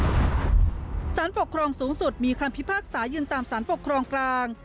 สารปกครองสูงสุดมีคำพิพากษายืนตามสารปกครองกลาง